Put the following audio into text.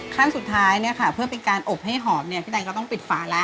ขั้นสุดท้ายเนี่ยค่ะเพื่อเป็นการอบให้หอมเนี่ยพี่แตนก็ต้องปิดฝาแล้ว